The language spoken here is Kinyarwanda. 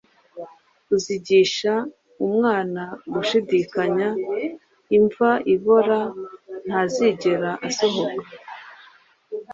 Uzigisha Umwana Gushidikanya Imva ibora ntazigera asohoka.